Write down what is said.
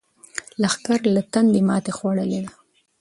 لښکر له تندې ماتې خوړلې ده.